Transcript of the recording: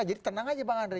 jadi tenang aja bang andre